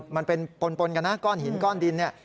มันเป็นปนกันนะก้อนหินก้อนดินเนี่ย